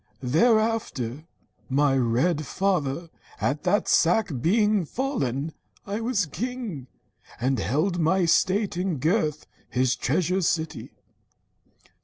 Thereafter, my red father at that sack Being fallen, I was king, and held my state In Gurth his treasure city.